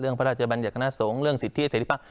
เรื่องพระราชบัญญกณสงฆ์เรื่องสิทธิเสร็จภักดิ์